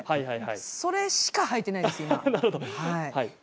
それしかはいていないです、今。